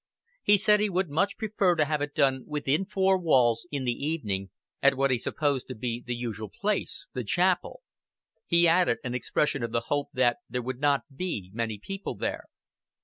He said he would much prefer to have it done within four walls, in the evening, at what he supposed to be the usual place, the chapel. He added an expression of the hope that there would not be many people there.